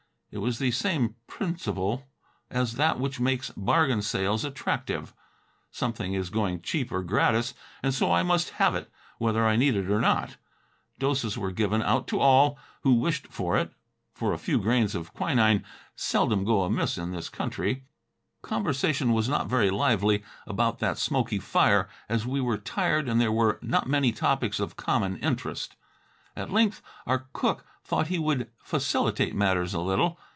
It was the same principle as that which makes bargain sales attractive. Something is going cheap or gratis, and so I must have it, whether I need it or not. Doses were given out to all who wished for it, for a few grains of quinine seldom go amiss in this country. Conversation was not very lively, about that smoky fire, as we were tired and there were not many topics of common interest. At length our cook thought he would facilitate matters a little.